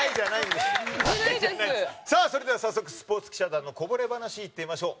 さあそれでは早速スポーツ記者団のこぼれ話いってみましょう。